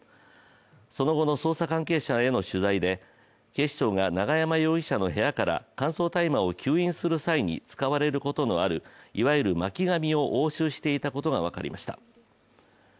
その後の捜査関係者への取材で警視庁が永山容疑者の部屋から乾燥大麻を吸引する際に使われることのある、いわゆる巻紙を押収していたことが分かりました。